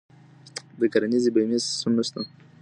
د کرنیزې بیمې سیستم نشته.